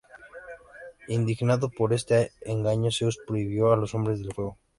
Indignado por este engaño, Zeus prohibió a los hombres el fuego.